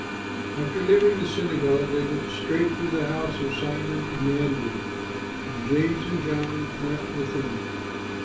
After leaving the synagogue they went straight to the house of Simon and Andrew; and James and John went with them.